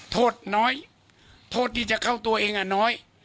โทษน้อยโทษที่จะเข้าตัวเองอ่ะน้อย